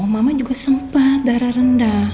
mama juga sempat darah rendah